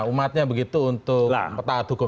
umatnya begitu untuk taat hukum